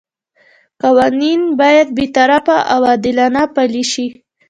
قوانین باید بې طرفه او عادلانه پلي شي.